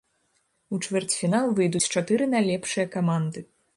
У чвэрцьфінал выйдуць чатыры найлепшыя каманды.